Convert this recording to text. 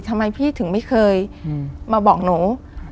ทำไมพี่ถึงไม่เคยมาบอกหนู